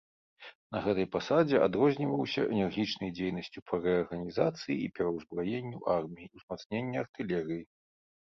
На гэтай пасадзе адрозніваўся энергічнай дзейнасцю па рэарганізацыі і пераўзбраенню арміі, узмацнення артылерыі.